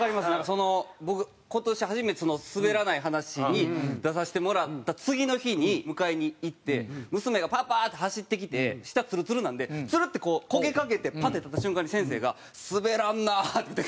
その僕今年初めて『すべらない話』に出させてもらった次の日に迎えに行って娘が「パパ！」って走ってきて下ツルツルなんでツルってこうこけかけてパッて立った瞬間に先生が「すべらんな」って。